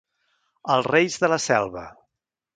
Els reis de la selva.